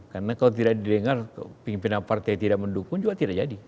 karena kalau tidak didengar pimpinan partai yang tidak mendukung juga tidak jadi